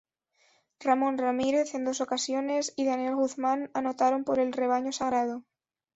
Ramón Ramírez en dos ocasiones y Daniel Guzmán anotaron por el Rebaño Sagrado.